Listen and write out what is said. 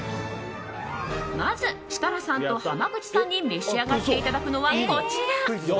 まず設楽さんと濱口さんに召し上がっていただくのはこちら。